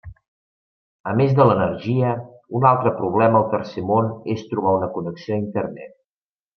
A més de l'energia, un altre problema al tercer món és trobar una connexió a Internet.